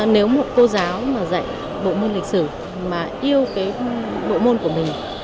nếu một cô giáo mà dạy bộ môn lịch sử mà yêu cái bộ môn của mình